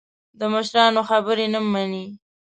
د مشرانو خبرې نه مني.